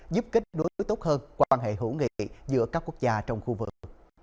giúp kết nối tốt hơn quan hệ hữu nghị giữa các quốc gia trong khu vực